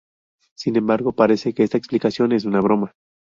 Sin embargo, parece que esta explicación es una broma.